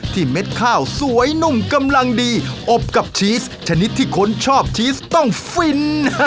เม็ดข้าวสวยนุ่มกำลังดีอบกับชีสชนิดที่คนชอบชีสต้องฟิน